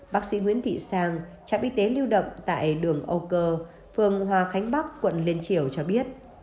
bác sĩ nguyễn thị sang trạm y tế lưu động tại đường âu cơ phường hòa khánh bắc quận liên triều cho biết